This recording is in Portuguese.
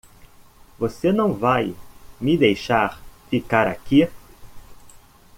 Você não vai me deixar ficar aqui.